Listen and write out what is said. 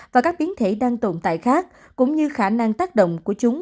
và các biến thể đang tồn tại khác cũng như khả năng tác động của chúng